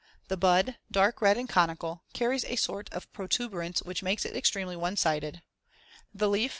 The bud, dark red and conical, carries a sort of protuberance which makes it extremely one sided as shown in Fig. 77. The leaf, Fig.